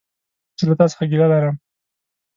زه له تا څخه ګيله لرم!